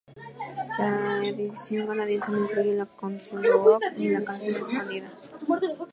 La edición canadiense no incluye la canción "Grow Up" ni la canción escondida.